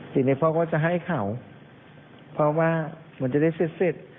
ทีนี้พ่อก็จะให้เขาเพราะว่ามันจะได้เสร็จ